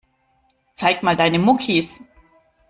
Zeig mal deine Muckis.